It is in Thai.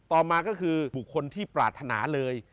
ต่อมาก็คือบุคคลที่ปรารถนาเลย